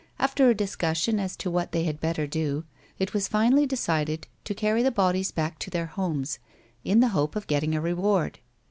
After a discussion as to what they had better do, it was finally decided to carry the bodies back to their homes, in the hope of getting a reward.